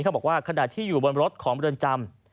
เขาบอกว่าขณะที่อยู่บนรถของบริเวณจำ